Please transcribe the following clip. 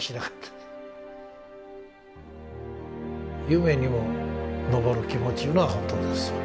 夢にも昇る気持ちいうのは本当ですわ。